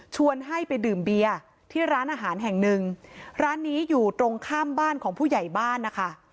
ให้ไปดื่มเบียร์ที่ร้านอาหารแห่งหนึ่งร้านนี้อยู่ตรงข้ามบ้านของผู้ใหญ่บ้านนะคะ